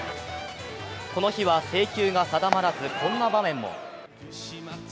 この日は制球が定まらずこんな場面も。